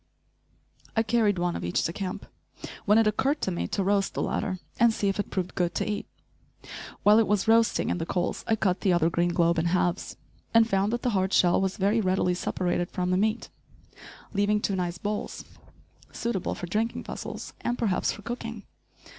I carried one of each to camp, when it occurred to me to roast the latter, and see if it proved good to eat. While it was roasting in the coals, I cut the other green globe in halves, and found that the hard shell was very readily separated from the meat, leaving two nice bowls, suitable for drinking vessels, and perhaps for cooking.